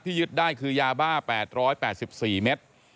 ยึดได้คือยาบ้า๘๘๔เมตร